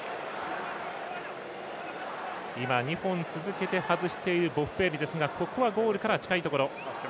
今、２本続けて外しているボッフェーリですがここはゴールから近いところ。